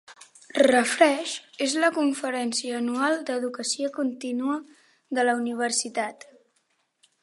"Refresh" és la conferència anual d'educació continua de la universitat.